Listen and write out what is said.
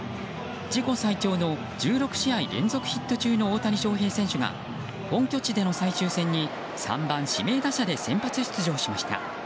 自己最長の１６試合連続ヒット中の大谷翔平選手が本拠地での最終戦に３番指名打者で先発出場しました。